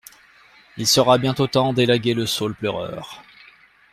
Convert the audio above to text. Il sera bientôt temps d'élaguer le saule pleureur.